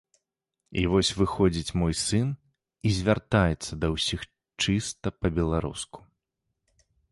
І вось выходзіць мой сын і звяртаецца да ўсіх чыста па-беларуску.